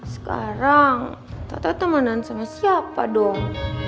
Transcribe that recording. sekarang tata temenan sama siapa dong